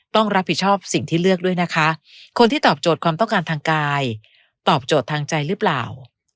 ต้องรับผิดชอบสิ่งที่เลือกด้วยนะคะคนที่ตอบโจทย์ความต้องการทางกายตอบโจทย์ทางใจหรือเปล่า